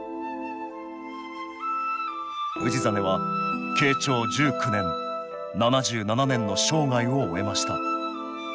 氏真は慶長１９年７７年の生涯を終えました